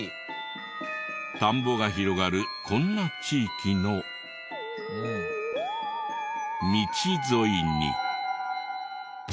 田んぼが広がるこんな地域の道沿いに。